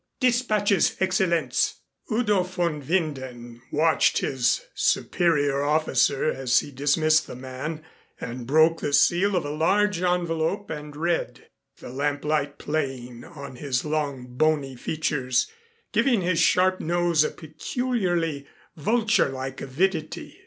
"Dispatches, Excellenz." Udo von Winden watched his superior officer as he dismissed the man and broke the seal of a large envelope and read, the lamplight playing on his long bony features, giving his sharp nose a peculiarly vulture like avidity.